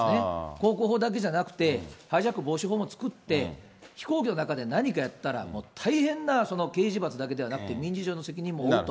航空法だけじゃなくて、ハイジャック防止法も作って、飛行機の中で何かやったら、大変な刑事罰だけじゃなくて、民事上の責任も負うと。